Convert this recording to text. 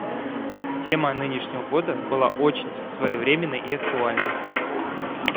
Тема нынешнего года была очень своевременной и актуальной.